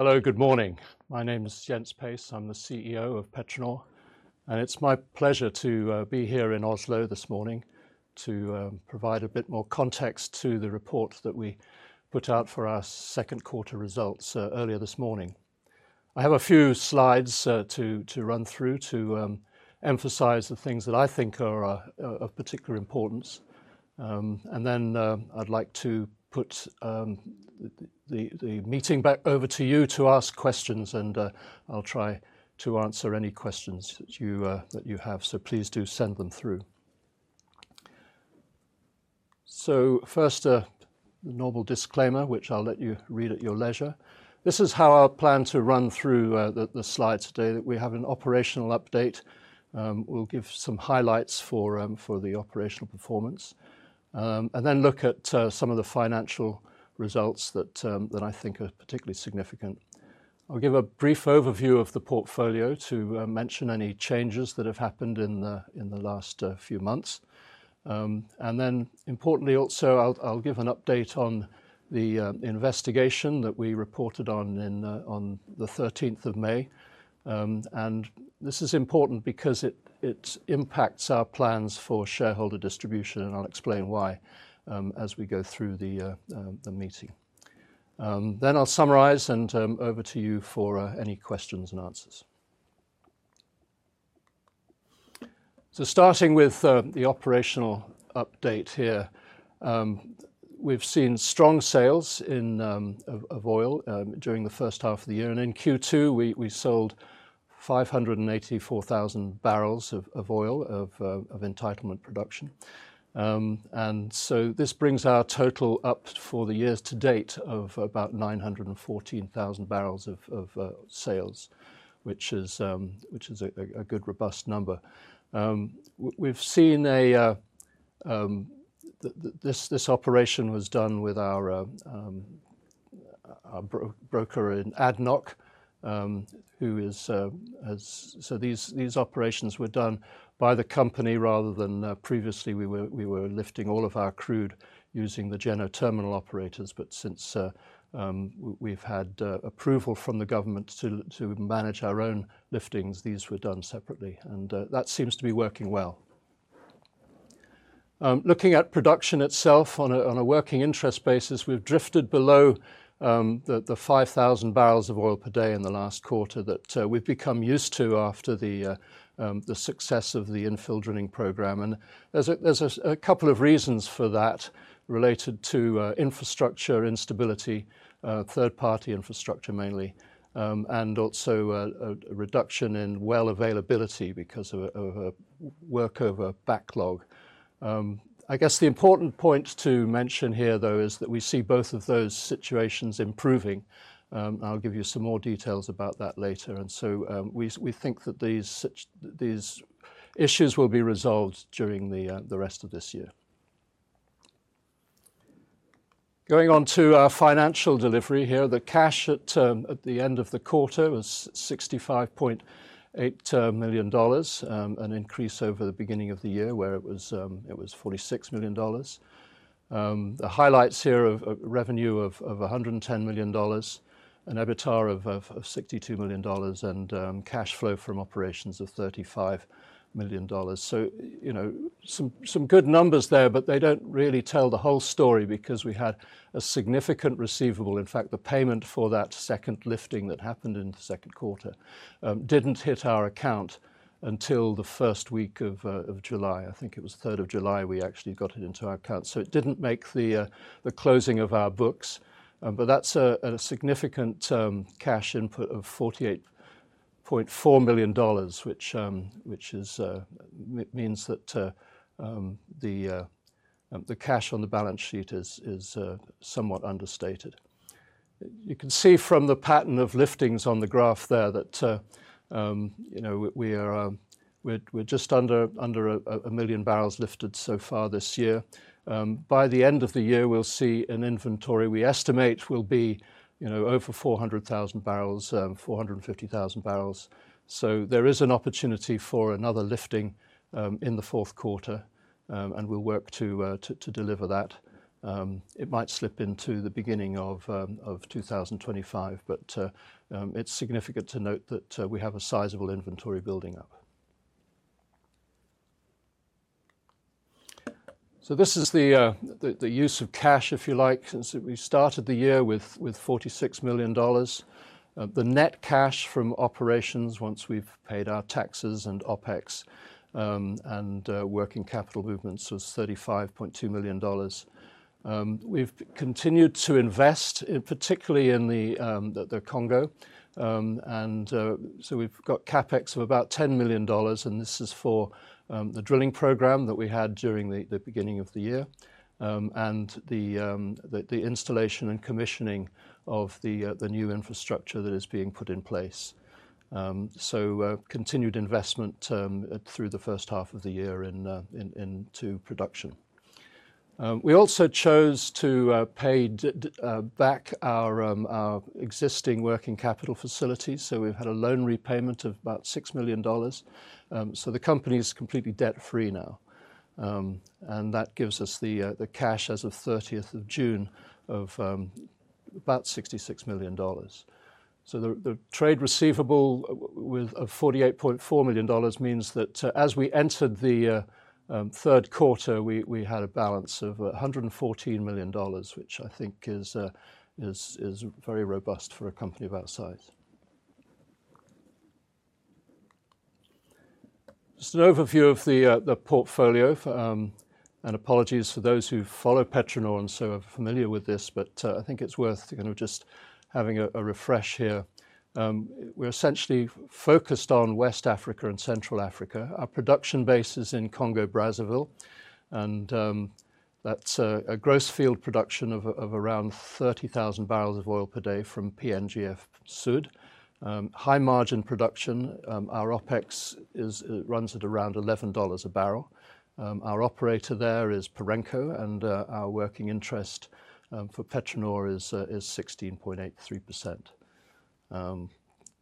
Hello, good morning. My name is Jens Pace. I'm the CEO of PetroNor, and it's my pleasure to be here in Oslo this morning to provide a bit more context to the report that we put out for our second quarter results earlier this morning. I have a few slides to run through to emphasize the things that I think are of particular importance. And then I'd like to put the meeting back over to you to ask questions and I'll try to answer any questions that you have. So please do send them through. So first, a normal disclaimer, which I'll let you read at your leisure. This is how I plan to run through the slides today. We have an operational update. We'll give some highlights for the operational performance, and then look at some of the financial results that I think are particularly significant. I'll give a brief overview of the portfolio to mention any changes that have happened in the last few months. And then importantly, also, I'll give an update on the investigation that we reported on the 13th of May. And this is important because it impacts our plans for shareholder distribution, and I'll explain why as we go through the meeting. Then I'll summarize and over to you for any questions and answers. So starting with the operational update here. We've seen strong sales of oil during the first half of the year, and in Q2, we sold 584,000 bbls of oil of entitlement production. And so this brings our total up for the years to date of about 914,000 bbls of sales, which is a good robust number. We've seen a... This operation was done with our broker in ADNOC, who has. So these operations were done by the company rather than previously we were lifting all of our crude using the Djeno Terminal operators, but since we've had approval from the government to manage our own liftings, these were done separately, and that seems to be working well. Looking at production itself on a working interest basis, we've drifted below the 5,000 bopd in the last quarter that we've become used to after the success of the infill drilling program. And there's a couple of reasons for that related to infrastructure instability, third-party infrastructure mainly, and also a reduction in well availability because of a workover backlog. I guess the important point to mention here, though, is that we see both of those situations improving. I'll give you some more details about that later, and so we think that these issues will be resolved during the rest of this year. Going on to our financial delivery here, the cash at the end of the quarter was $65.8 million, an increase over the beginning of the year, where it was $46 million. The highlights here of revenue of $110 million, an EBITDA of $62 million, and cash flow from operations of $35 million. So, you know, some good numbers there, but they don't really tell the whole story because we had a significant receivable. In fact, the payment for that second lifting that happened in the second quarter didn't hit our account until the first week of July. I think it was the 3rd of July, we actually got it into our account. So it didn't make the closing of our books, but that's a significant cash input of $48.4 million, which means that the cash on the balance sheet is somewhat understated. You can see from the pattern of liftings on the graph there that, you know, we are just under a million barrels lifted so far this year. By the end of the year, we'll see an inventory we estimate will be, you know, over 400,000 bbls, 450,000 bbls. So there is an opportunity for another lifting in the fourth quarter, and we'll work to deliver that. It might slip into the beginning of 2025, but it's significant to note that we have a sizable inventory building up. So this is the use of cash, if you like. Since we started the year with $46 million, the net cash from operations, once we've paid our taxes and OpEx, and working capital movements, was $35.2 million. We've continued to invest, particularly in the Congo, so we've got CapEx of about $10 million, and this is for the drilling program that we had during the beginning of the year, and the installation and commissioning of the new infrastructure that is being put in place. Continued investment through the first half of the year into production. We also chose to pay back our existing working capital facilities, so we've had a loan repayment of about $6 million. So the company is completely debt-free now, and that gives us the cash as of 30th of June of about $66 million. So the trade receivable with of $48.4 million means that as we entered the third quarter, we had a balance of $114 million, which I think is very robust for a company of our size. Just an overview of the portfolio, and apologies for those who follow PetroNor and so are familiar with this, but I think it's worth, you know, just having a refresh here. We're essentially focused on West Africa and Central Africa. Our production base is in Congo, Brazzaville, and that's a gross field production of around 30,000 bopd from PNGF Sud. High-margin production, our OpEx runs at around $11/bbl. Our operator there is Perenco, and our working interest for PetroNor is 16.83%.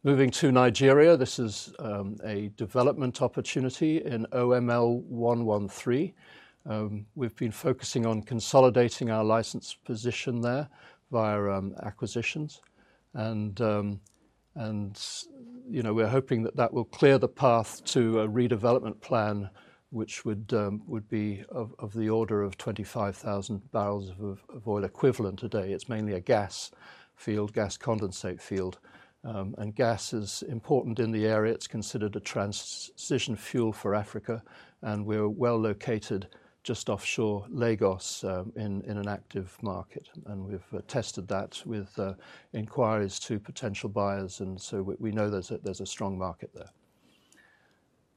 Moving to Nigeria, this is a development opportunity in OML 113. We've been focusing on consolidating our license position there via acquisitions, and you know, we're hoping that that will clear the path to a redevelopment plan, which would be of the order of 25,000 boepd. It's mainly a gas field, gas condensate field. And gas is important in the area. It's considered a transition fuel for Africa, and we're well-located just offshore Lagos in an active market, and we've tested that with inquiries to potential buyers, and so we know there's a strong market there.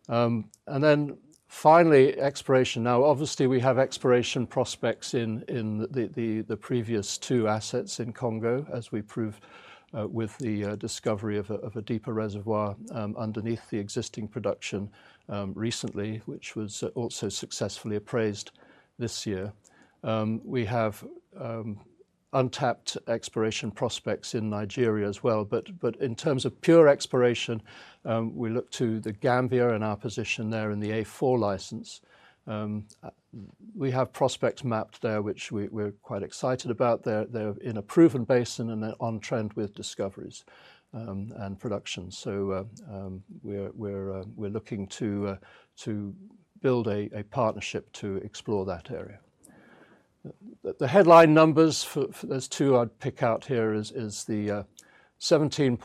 And then finally, exploration. Now, obviously, we have exploration prospects in the previous two assets in Congo, as we proved with the discovery of a deeper reservoir underneath the existing production recently, which was also successfully appraised this year. We have untapped exploration prospects in Nigeria as well, but in terms of pure exploration, we look to The Gambia and our position there in the A4 license. We have prospects mapped there, which we're quite excited about. They're in a proven basin and on-trend with discoveries and production. So, we're looking to build a partnership to explore that area. The headline numbers. There's two I'd pick out here is the 17.2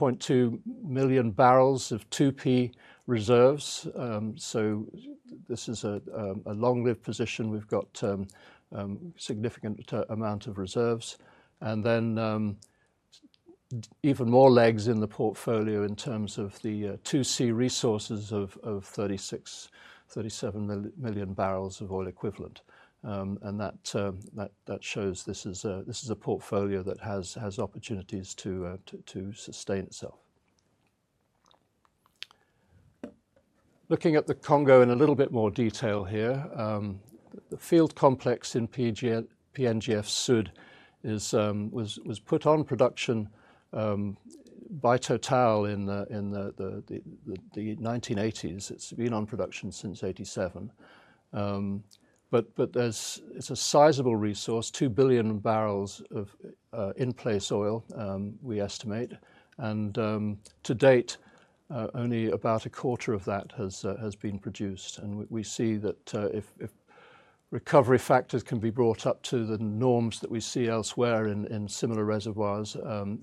MMboe of 2P reserves. So this is a long-lived position. We've got significant amount of reserves, and then even more legs in the portfolio in terms of the 2C resources of 36-37 MMboe. And that shows this is a portfolio that has opportunities to sustain itself. Looking at the Congo in a little bit more detail here. The field complex in PNGF Sud was put on production by Total in the 1980s. It's been on production since 1987, but there's a sizable resource, 2 billion barrels of in place oil, we estimate, and to date, only about a quarter of that has been produced, and we see that if recovery factors can be brought up to the norms that we see elsewhere in similar reservoirs,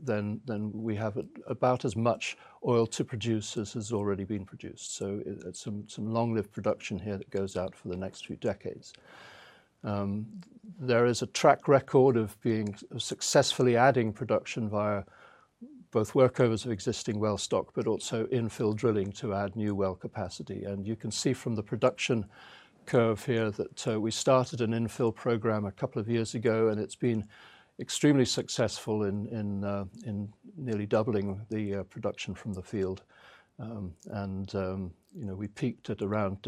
then we have about as much oil to produce as has already been produced, so it's some long-lived production here that goes out for the next few decades. There is a track record of successfully adding production via both workovers of existing well stock but also infill drilling to add new well capacity. And you can see from the production curve here that we started an infill program a couple of years ago, and it's been extremely successful in nearly doubling the production from the field. And you know, we peaked at around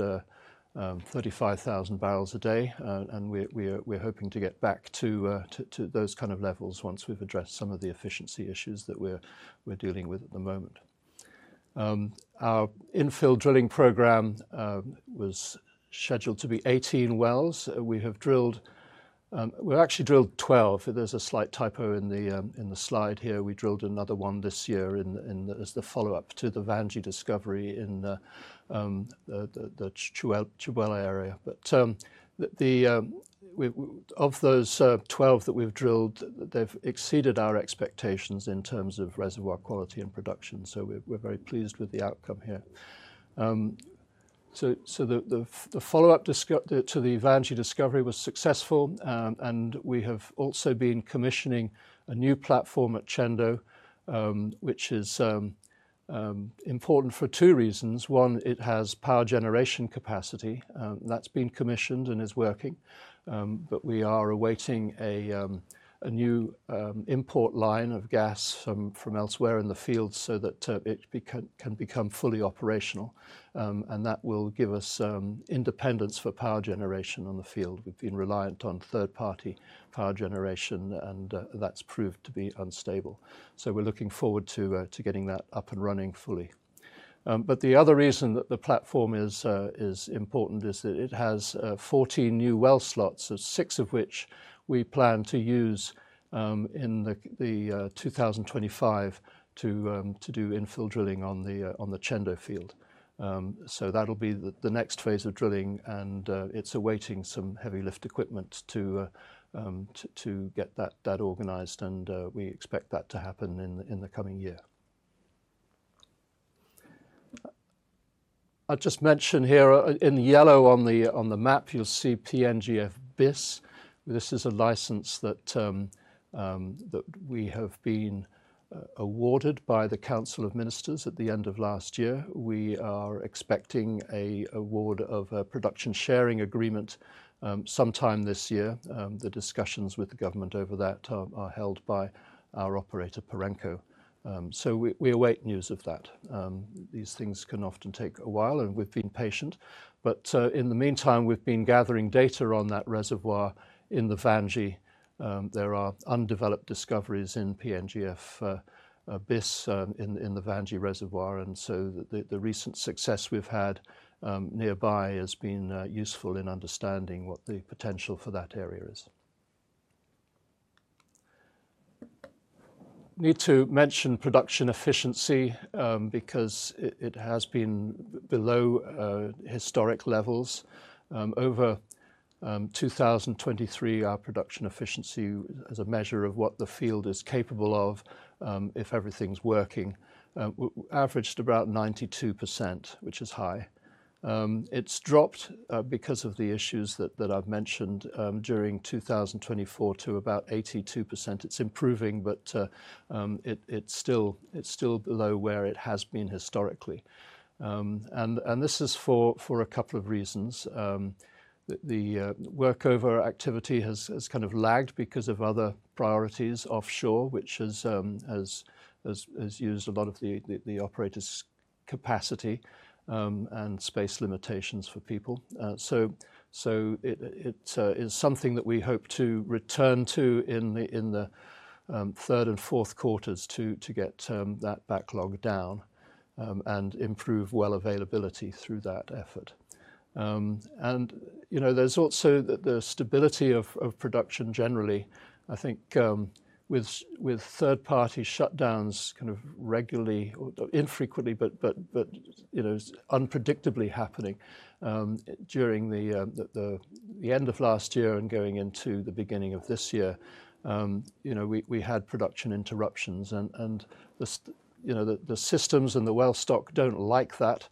35,000 bpd, and we're hoping to get back to those kind of levels once we've addressed some of the efficiency issues that we're dealing with at the moment. Our infill drilling program was scheduled to be eighteen wells. We have drilled. We actually drilled twelve. There's a slight typo in the slide here. We drilled another one this year in as the follow-up to the Vandji discovery in the Tchibeli area. But the. Of those 12 that we've drilled, they've exceeded our expectations in terms of reservoir quality and production, so we're very pleased with the outcome here. So the follow-up to the Vandji discovery was successful, and we have also been commissioning a new platform at Tchendo, which is important for two reasons. One, it has power generation capacity. That's been commissioned and is working. But we are awaiting a new import line of gas from elsewhere in the field so that it can become fully operational. And that will give us independence for power generation on the field. We've been reliant on third-party power generation, and that's proved to be unstable. So we're looking forward to getting that up and running fully. But the other reason that the platform is important is that it has 14 new well slots, so six of which we plan to use in the 2025 to do infill drilling on the Tchendo field. So that'll be the next phase of drilling, and it's awaiting some heavy lift equipment to get that organized, and we expect that to happen in the coming year. I'll just mention here, in yellow on the map, you'll see PNGF Bis. This is a license that we have been awarded by the Council of Ministers at the end of last year. We are expecting a award of a production sharing agreement sometime this year. The discussions with the government over that, are held by our operator, Perenco. So we await news of that. These things can often take a while, and we've been patient, but in the meantime, we've been gathering data on that reservoir in the Vandji. There are undeveloped discoveries in PNGF Bis, in the Vandji reservoir, and so the recent success we've had nearby has been useful in understanding what the potential for that area is. Need to mention production efficiency, because it has been below historic levels. Over 2023, our production efficiency as a measure of what the field is capable of, if everything's working, averaged about 92%, which is high. It's dropped because of the issues that I've mentioned during 2024 to about 82%. It's improving, but it's still below where it has been historically. This is for a couple of reasons. The workover activity has kind of lagged because of other priorities offshore, which has used a lot of the operator's capacity and space limitations for people. So it is something that we hope to return to in the third and fourth quarters to get that backlog down and improve well availability through that effort. You know, there's also the stability of production generally. I think with third-party shutdowns kind of regularly or infrequently, but you know, unpredictably happening during the end of last year and going into the beginning of this year. You know, we had production interruptions, and you know, the systems and the well stock don't like that.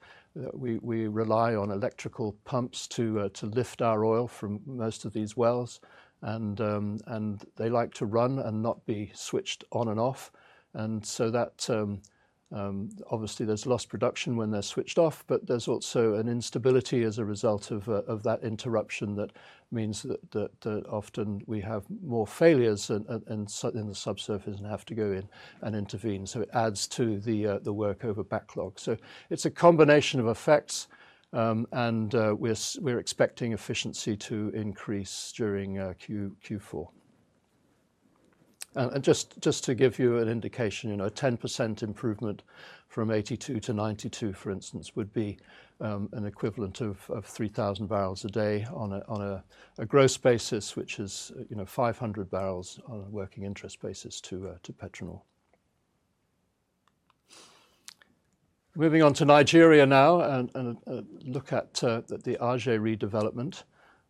We rely on electrical pumps to lift our oil from most of these wells, and they like to run and not be switched on and off. And so that obviously there's lost production when they're switched off, but there's also an instability as a result of that interruption. That means that often we have more failures and in the subsurface and have to go in and intervene, so it adds to the workover backlog. It's a combination of effects, and we're expecting efficiency to increase during Q4. And just to give you an indication, you know, a 10% improvement from 82%-92%, for instance, would be an equivalent of 3,000 bpd on a gross basis, which is, you know, 500 bbls on a working interest basis to PetroNor. Moving on to Nigeria now and look at the Aje redevelopment.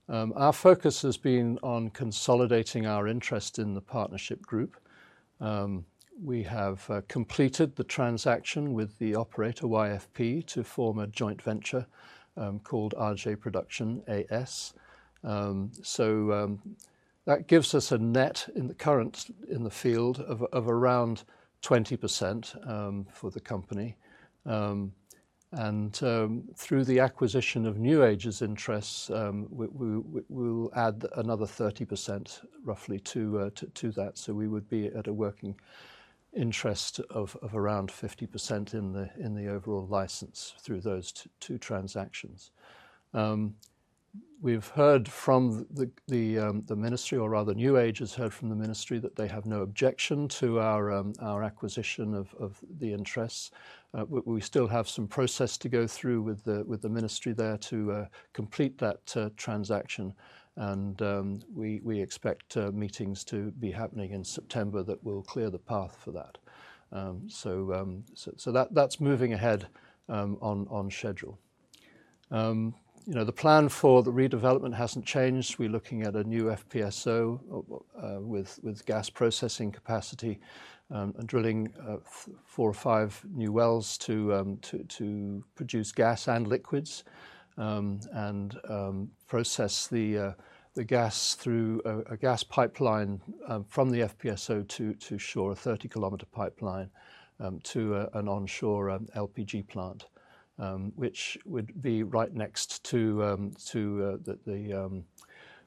Our focus has been on consolidating our interest in the partnership group. We have completed the transaction with the operator, YFP, to form a joint venture called Aje Production AS. So that gives us a net in the current, in the field of around 20% for the company. And through the acquisition of New Age's interests, we will add another 30%, roughly to that. So we would be at a working interest of around 50% in the overall license through those two transactions. We've heard from the Ministry, or rather New Age has heard from the Ministry, that they have no objection to our acquisition of the interests. We still have some process to go through with the Ministry there to complete that transaction, and we expect meetings to be happening in September that will clear the path for that. So that's moving ahead on schedule. You know, the plan for the redevelopment hasn't changed. We're looking at a new FPSO with gas-processing capacity and drilling four or five new wells to produce gas and liquids. And process the gas through a gas pipeline from the FPSO to shore, a 30-km pipeline to an onshore LPG plant. Which would be right next to the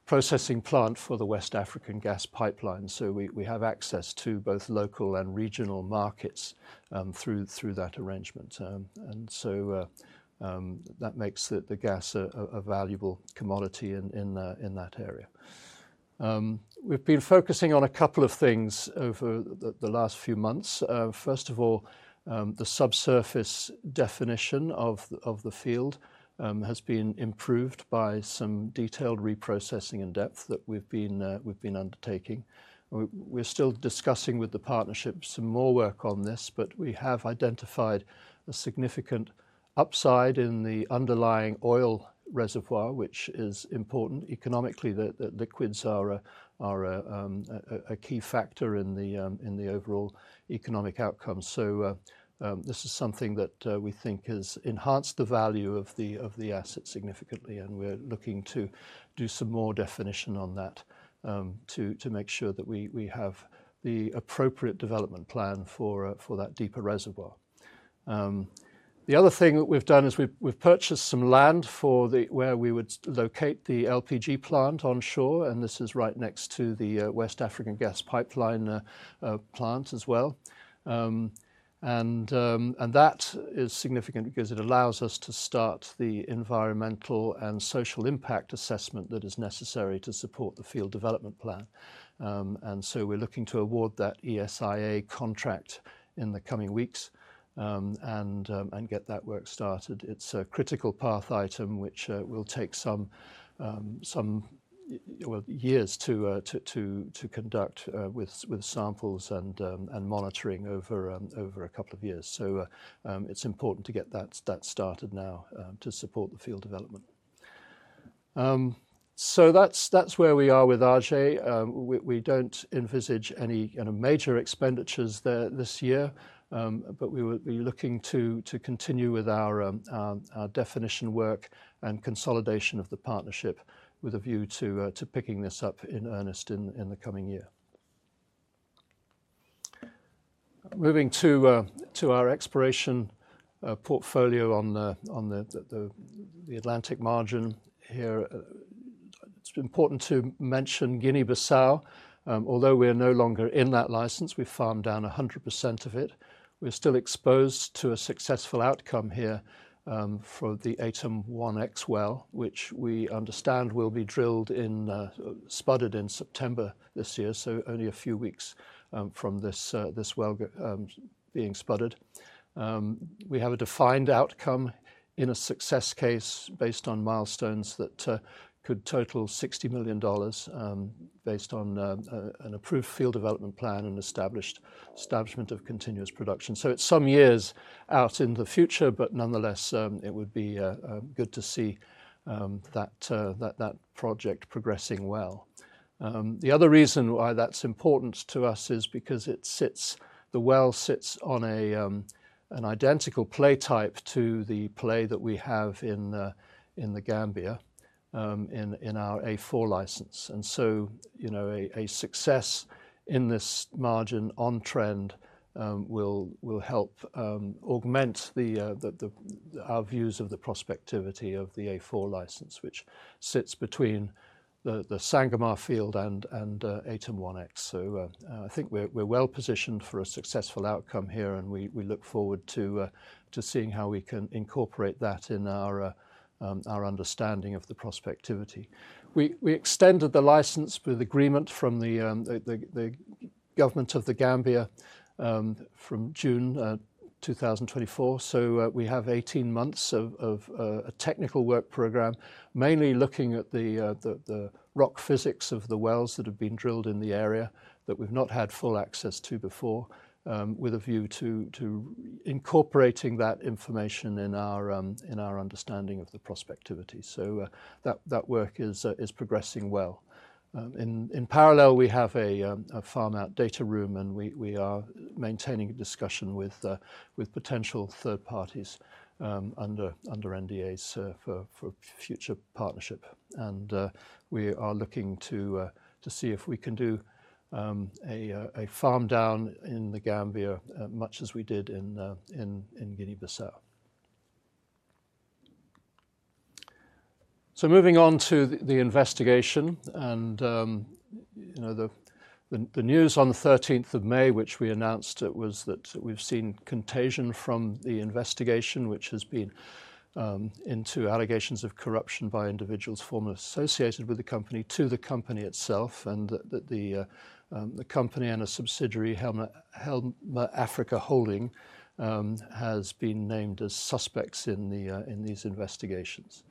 processing plant for the West African Gas Pipeline. So we have access to both local and regional markets through that arrangement. And so that makes the gas a valuable commodity in that area. We've been focusing on a couple of things over the last few months. First of all, the subsurface definition of the field has been improved by some detailed reprocessing in depth that we've been undertaking. We're still discussing with the partnership some more work on this, but we have identified a significant upside in the underlying oil reservoir, which is important economically. The liquids are a key factor in the overall economic outcome. So, this is something that we think has enhanced the value of the asset significantly, and we're looking to do some more definition on that, to make sure that we have the appropriate development plan for that deeper reservoir. The other thing that we've done is we've purchased some land for the... where we would locate the LPG plant on shore, and this is right next to the West African Gas Pipeline plant as well. And that is significant because it allows us to start the environmental and social impact assessment that is necessary to support the field development plan. And so we're looking to award that ESIA contract in the coming weeks, and get that work started. It's a critical path item, which will take some well years to conduct with samples and monitoring over a couple of years. So it's important to get that started now, to support the field development. So that's where we are with Aje. We don't envisage any major expenditures there this year. But we will be looking to continue with our definition work and consolidation of the partnership with a view to picking this up in earnest in the coming year. Moving to our exploration portfolio on the Atlantic Margin here. It's important to mention Guinea-Bissau. Although we are no longer in that license, we farmed down 100% of it. We're still exposed to a successful outcome here for the Atum-1X well, which we understand will be drilled in, spudded in September this year, so only a few weeks from this well being spudded. We have a defined outcome in a success case based on milestones that could total $60 million, based on an approved field development plan and establishment of continuous production. So it's some years out in the future, but nonetheless, it would be good to see that project progressing well. The other reason why that's important to us is because it sits, the well sits on an identical play type to the play that we have in The Gambia, in our A4 license. And so, you know, a success in this margin on trend will help augment our views of the prospectivity of the A4 license, which sits between the Sangomar field and Atum-1X. I think we're well-positioned for a successful outcome here, and we look forward to seeing how we can incorporate that in our understanding of the prospectivity. We extended the license with agreement from the government of The Gambia from June 2024. We have eighteen months of a technical work program, mainly looking at the rock physics of the wells that have been drilled in the area that we've not had full access to before, with a view to incorporating that information in our understanding of the prospectivity. That work is progressing well. In parallel, we have a farm-out data room, and we are maintaining a discussion with potential third parties under NDAs for future partnership. We are looking to see if we can do a farm down in The Gambia, much as we did in Guinea-Bissau. Moving on to the investigation and you know the news on the 13th of May, which we announced it, was that we've seen contagion from the investigation, which has been into allegations of corruption by individuals formerly associated with the company, to the company itself, and that the company and a subsidiary, Hemla Africa Holding, has been named as suspects in these investigations.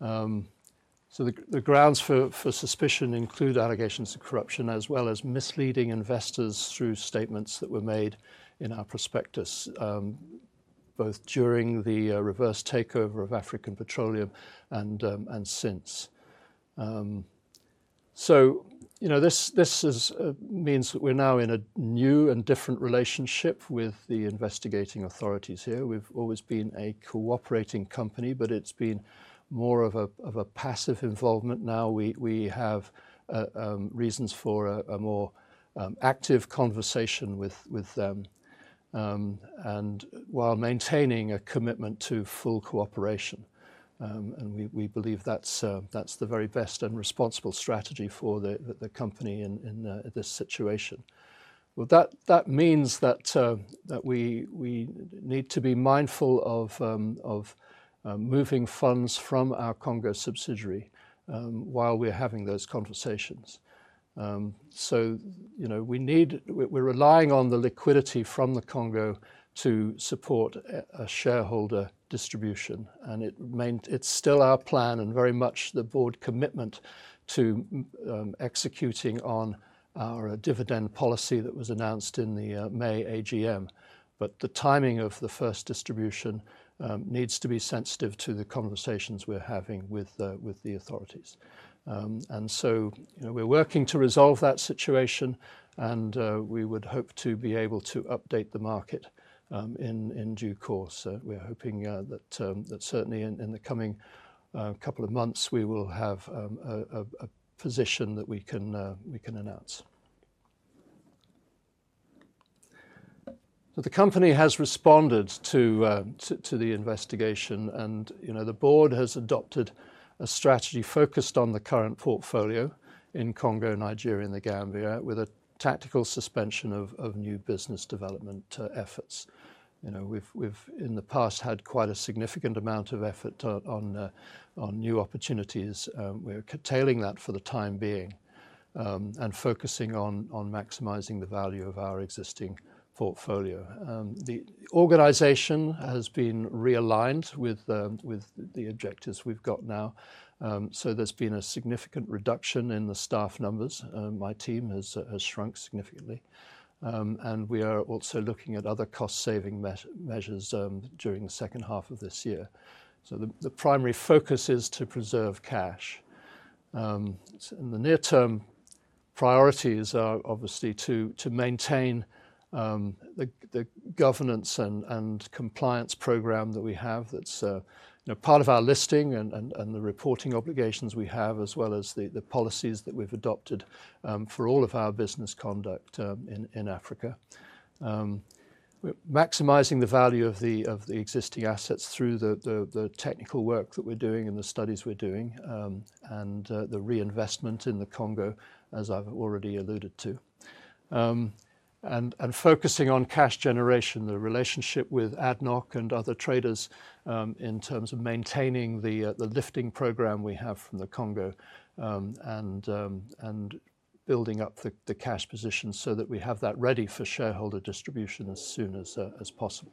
So the grounds for suspicion include allegations of corruption, as well as misleading investors through statements that were made in our prospectus, both during the reverse takeover of African Petroleum and since. You know, this means that we're now in a new and different relationship with the investigating authorities here. We've always been a cooperating company, but it's been more of a passive involvement. Now we have reasons for a more active conversation with them and while maintaining a commitment to full cooperation, and we believe that's the very best and responsible strategy for the company in this situation. That means that we need to be mindful of moving funds from our Congo subsidiary while we're having those conversations, so you know, we need. We're relying on the liquidity from the Congo to support a shareholder distribution, and it's still our plan and very much the Board commitment to executing on our dividend policy that was announced in the May AGM, but the timing of the first distribution needs to be sensitive to the conversations we're having with the authorities, and so you know, we're working to resolve that situation, and we would hope to be able to update the market in due course. We're hoping that certainly in the coming couple of months, we will have a position that we can announce, so the company has responded to the investigation, and, you know, the Board has adopted a strategy focused on the current portfolio in Congo, Nigeria, and The Gambia, with a tactical suspension of new business development efforts. You know, we've in the past had quite a significant amount of effort on new opportunities. We're curtailing that for the time being, and focusing on maximizing the value of our existing portfolio. The organization has been realigned with the objectives we've got now, so there's been a significant reduction in the staff numbers. My team has shrunk significantly. And we are also looking at other cost-saving measures during the second half of this year. So the primary focus is to preserve cash. In the near term, priorities are obviously to maintain the governance and compliance program that we have that's you know part of our listing and the reporting obligations we have, as well as the policies that we've adopted for all of our business conduct in Africa. We're maximizing the value of the existing assets through the technical work that we're doing and the studies we're doing and the reinvestment in the Congo, as I've already alluded to. And focusing on cash generation, the relationship with ADNOC and other traders, in terms of maintaining the lifting program we have from the Congo, and building up the cash position so that we have that ready for shareholder distribution as soon as possible.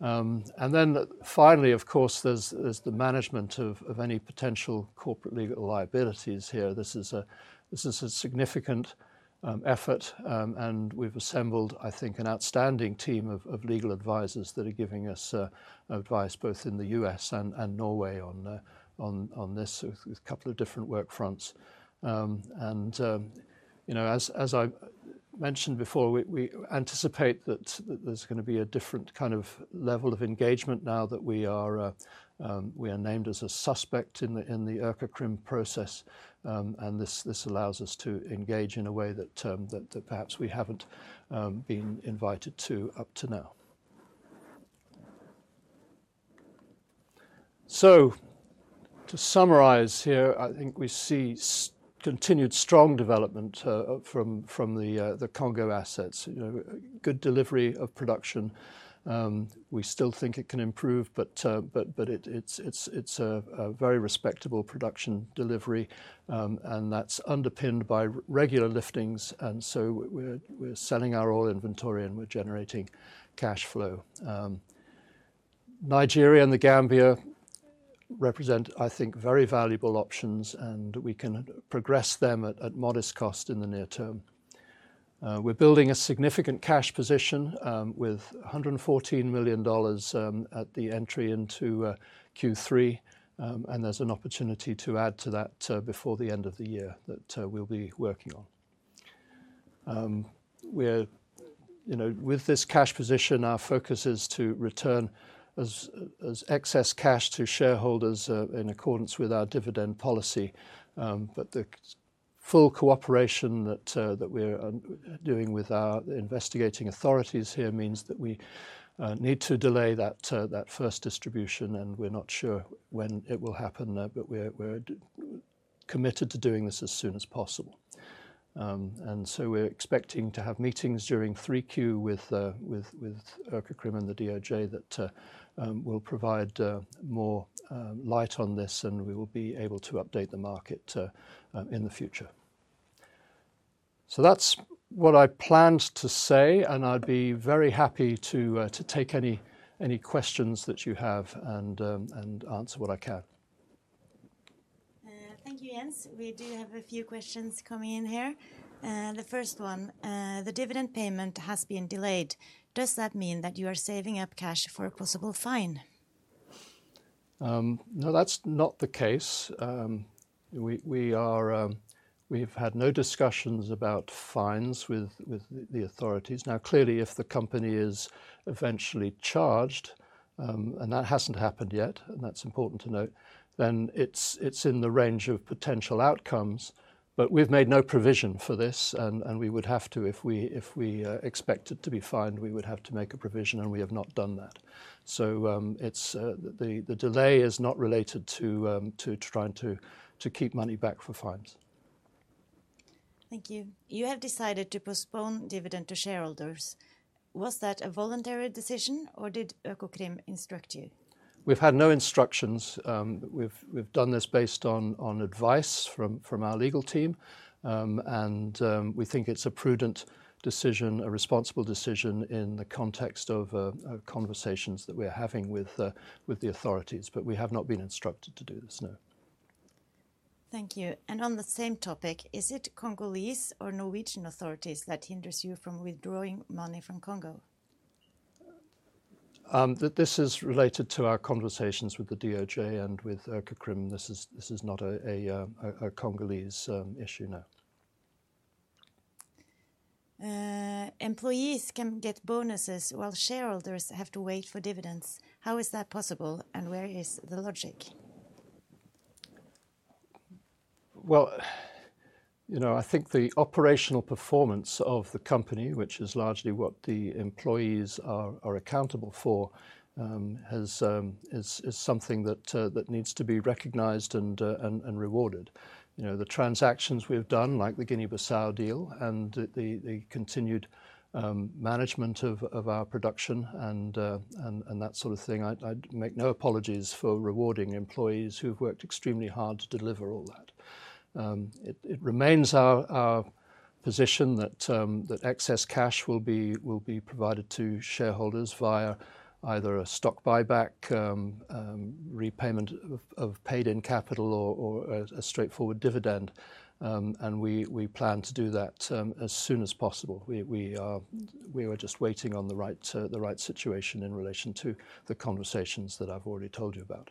And then finally, of course, there's the management of any potential corporate legal liabilities here. This is a significant effort, and we've assembled, I think, an outstanding team of legal advisors that are giving us advice both in the U.S. and Norway on this, with a couple of different work fronts. And you know, as I mentioned before, we anticipate that there's going to be a different kind of level of engagement now that we are named as a suspect in the Økokrim process. And this allows us to engage in a way that perhaps we haven't been invited to up to now. So to summarize here, I think we see continued strong development from the Congo assets. You know, good delivery of production. We still think it can improve, but it is a very respectable production delivery, and that's underpinned by regular liftings, and so we're selling our oil inventory and we're generating cash flow. Nigeria and The Gambia represent, I think, very valuable options, and we can progress them at modest cost in the near term. We're building a significant cash position with $114 million at the entry into Q3, and there's an opportunity to add to that before the end of the year that we'll be working on. You know, with this cash position, our focus is to return as excess cash to shareholders in accordance with our dividend policy. But the full cooperation that we're doing with our investigating authorities here means that we need to delay that first distribution, and we're not sure when it will happen, but we're committed to doing this as soon as possible. And so we're expecting to have meetings during 3Q with Økokrim and the DOJ that will provide more light on this, and we will be able to update the market in the future. So that's what I planned to say, and I'd be very happy to take any questions that you have, and answer what I can. Thank you, Jens. We do have a few questions coming in here. The first one: The dividend payment has been delayed. Does that mean that you are saving up cash for a possible fine? No, that's not the case. We are - we've had no discussions about fines with the authorities. Now, clearly, if the company is eventually charged, and that hasn't happened yet, and that's important to note, then it's in the range of potential outcomes, but we've made no provision for this, and we would have to... If we expected to be fined, we would have to make a provision, and we have not done that. So, it's the delay is not related to trying to keep money back for fines. Thank you. You have decided to postpone dividend to shareholders. Was that a voluntary decision, or did Økokrim instruct you? We've had no instructions. We've done this based on advice from our legal team. And we think it's a prudent decision, a responsible decision in the context of conversations that we're having with the authorities, but we have not been instructed to do this, no. Thank you. And on the same topic, is it Congolese or Norwegian authorities that hinders you from withdrawing money from Congo? This is related to our conversations with the DOJ and with Økokrim. This is not a Congolese issue, no. Employees can get bonuses, while shareholders have to wait for dividends. How is that possible, and where is the logic? Well, you know, I think the operational performance of the company, which is largely what the employees are accountable for, is something that that needs to be recognized and rewarded. You know, the transactions we've done, like the Guinea-Bissau deal, and the continued management of our production and that sort of thing, I'd make no apologies for rewarding employees who've worked extremely hard to deliver all that. It remains our position that that excess cash will be provided to shareholders via either a stock buyback, repayment of paid in capital or a straightforward dividend, and we plan to do that as soon as possible. We are... We were just waiting on the right situation in relation to the conversations that I've already told you about.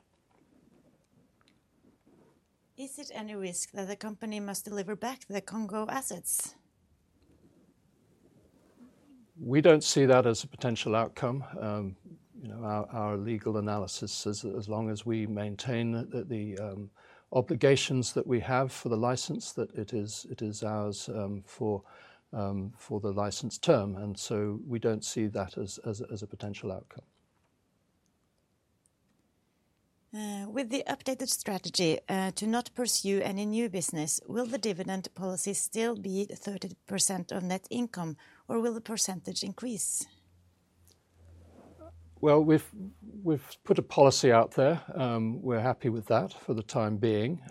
Is it any risk that the company must deliver back the Congo assets? We don't see that as a potential outcome. You know, our legal analysis is, as long as we maintain the obligations that we have for the license, that it is ours, for the license term, and so we don't see that as a potential outcome. With the updated strategy to not pursue any new business, will the dividend policy still be 30% of net income, or will the percentage increase? We've put a policy out there. We're happy with that for the time being.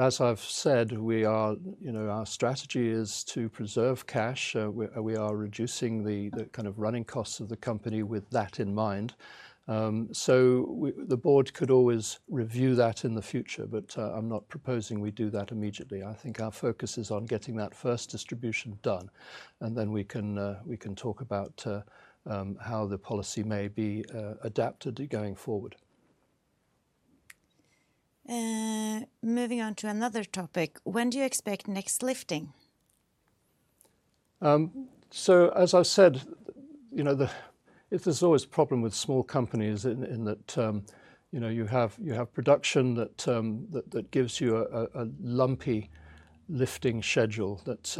As I've said, we are, you know, our strategy is to preserve cash. We are reducing the kind of running costs of the company with that in mind. The Board could always review that in the future, but I'm not proposing we do that immediately. I think our focus is on getting that first distribution done, and then we can talk about how the policy may be adapted going forward. Moving on to another topic, when do you expect next lifting? So as I've said, you know, it is always a problem with small companies in that, you know, you have production that gives you a lumpy lifting schedule that,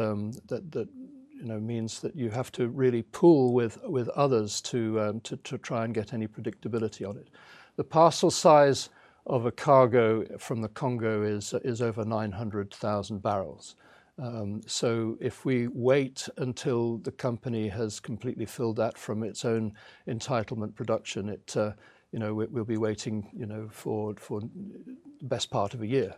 you know, means that you have to really pool with others to try and get any predictability on it. The parcel size of a cargo from the Congo is over 900,000 bbls. So if we wait until the company has completely filled that from its own entitlement production, you know, we, we'll be waiting, you know, for best part of a year.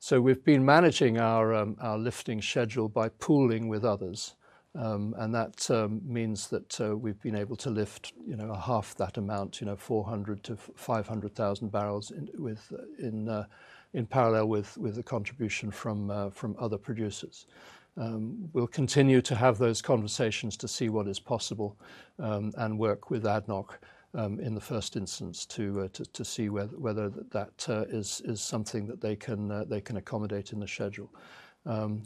So we've been managing our lifting schedule by pooling with others. And that means that we've been able to lift, you know, a half that amount, you know, four hundred to five hundred thousand barrels in parallel with the contribution from other producers. We'll continue to have those conversations to see what is possible, and work with ADNOC, in the first instance, to see whether that is something that they can accommodate in the schedule.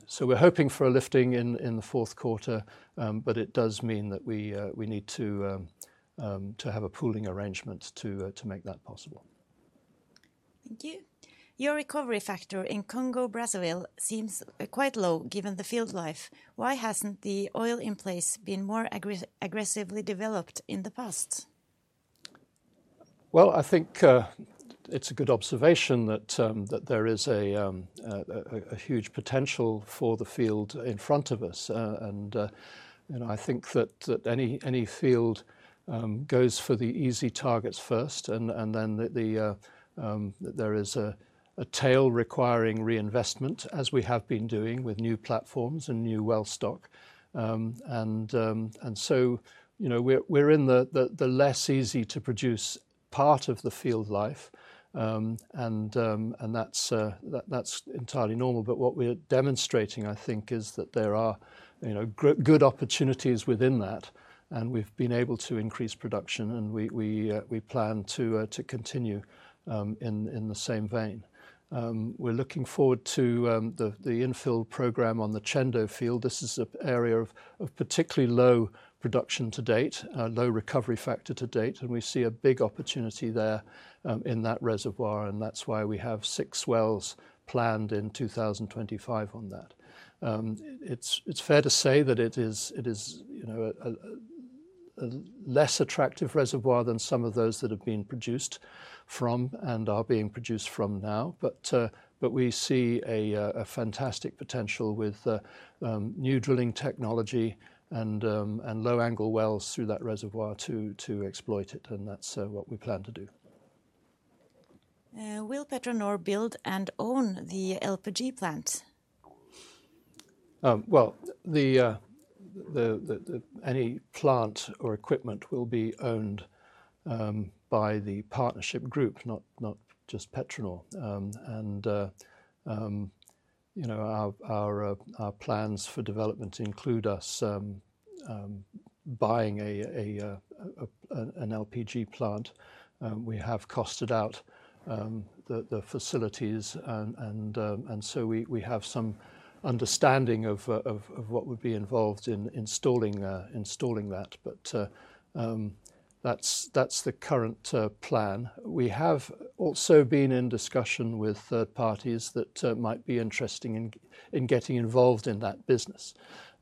So we're hoping for a lifting in the fourth quarter, but it does mean that we need to have a pooling arrangement to make that possible. Thank you. Your recovery factor in Congo, Brazzaville, seems quite low, given the field life. Why hasn't the oil in place been more aggressively developed in the past? I think it's a good observation that there is a huge potential for the field in front of us. I think that any field goes for the easy targets first, and then there is a tail requiring reinvestment, as we have been doing with new platforms and new well stock, so you know, we're in the less easy to produce part of the field life, and that's entirely normal, but what we are demonstrating, I think, is that there are, you know, good opportunities within that, and we've been able to increase production, and we plan to continue in the same vein. We're looking forward to the infill program on the Tchendo field. This is an area of particularly low production to date, low recovery factor to date, and we see a big opportunity there, in that reservoir, and that's why we have six wells planned in 2025 on that. It's fair to say that it is, you know, a less attractive reservoir than some of those that have been produced from and are being produced from now. But we see a fantastic potential with new drilling technology and low-angle wells through that reservoir to exploit it, and that's what we plan to do. Will PetroNor build and own the LPG plant? Well, any plant or equipment will be owned by the partnership group, not just PetroNor. You know, our plans for development include us buying an LPG plant. We have costed out the facilities, and so we have some understanding of what would be involved in installing that, but that's the current plan. We have also been in discussion with third parties that might be interested in getting involved in that business.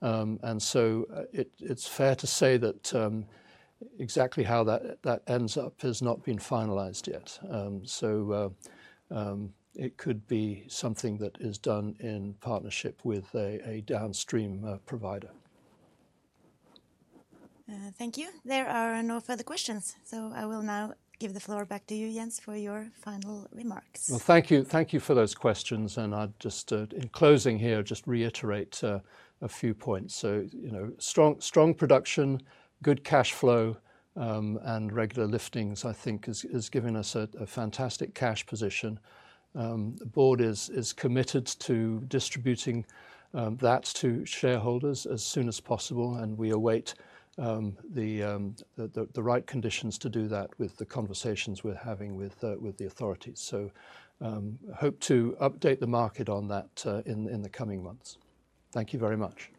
It's fair to say that exactly how that ends up has not been finalized yet. It could be something that is done in partnership with a downstream provider. Thank you. There are no further questions, so I will now give the floor back to you, Jens, for your final remarks. Well, thank you. Thank you for those questions, and I'd just, in closing here, just reiterate, a few points. So, you know, strong, strong production, good cash flow, and regular liftings, I think, is giving us a fantastic cash position. The Board is committed to distributing that to shareholders as soon as possible, and we await the right conditions to do that with the conversations we're having with the authorities. So, hope to update the market on that, in the coming months. Thank you very much.